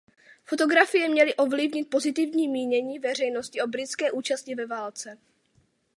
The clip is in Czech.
Fotografie měly ovlivnit pozitivní mínění veřejnosti o britské účasti ve válce.